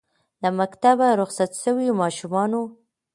له مکتبه رخصت سویو ماشومانو